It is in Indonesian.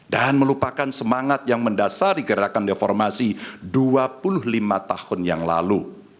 dan melupakan semangat yang mendasari gerakan deformasi dua puluh lima tahun yang lalu